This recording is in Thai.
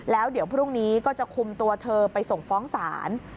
แล้วเดี๋ยวพรุ่งนี้ก็จะคุมตัวเธอไปส่งฟ้องศาล